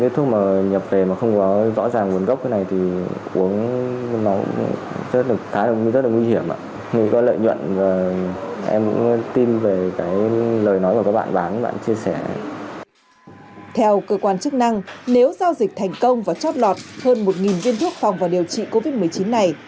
theo cơ quan chức năng nếu giao dịch thành công và chót lọt hơn một viên thuốc phòng và điều trị covid một mươi chín này